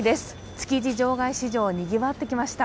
築地場外市場、にぎわってきました